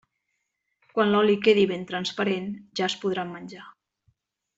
Quan l'oli quedi ben transparent, ja es podran menjar.